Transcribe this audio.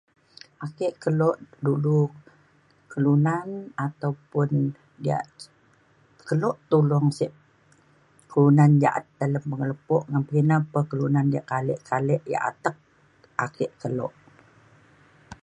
ake kelo dulu kelunan ataupun diak kelo tolong sek kelunan ja’at dalem pengelepo ngan pekina kelunan yak kalek kalek yak atek ake kelo.